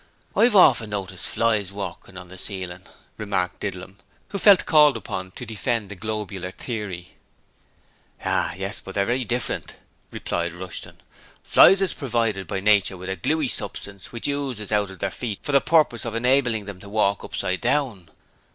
'I've often noticed flies walkin' on the ceilin',' remarked Didlum, who felt called upon to defend the globular theory. 'Yes; but they're different,' replied Rushton. 'Flies is provided by nature with a gluey substance which oozes out of their feet for the purpose of enabling them to walk upside down.'